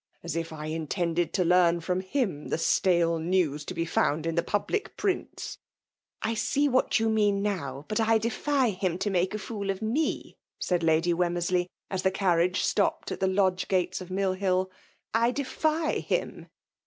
As if I intended' to leam fnxn him the stale news to be found in tb$ public prints !*'*«< I see what you mean now ; but I defy Uoi to make a fool of me, ' said Mrs. Wemmeraley, as the carriage stopped at the lodge gates oS Mill Hill. 1 defy him."